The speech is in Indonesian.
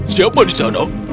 siapa di sana